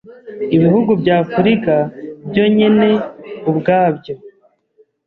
ibihugu bya Afrika byo nyene ubwabyo